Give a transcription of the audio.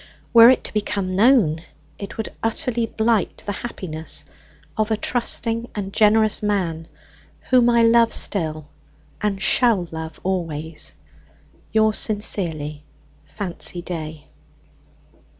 Were it to become known, it would utterly blight the happiness of a trusting and generous man, whom I love still, and shall love always. Yours sincerely, "FANCY DAY.